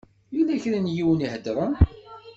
Yella kra n yiwen i iheddṛen.